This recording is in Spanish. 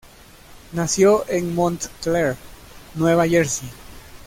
Nació en Montclair, Nueva Jersey.